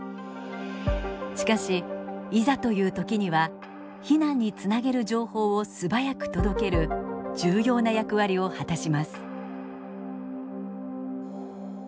しかしいざという時には避難につなげる情報を素早く届ける重要な役割を果たします。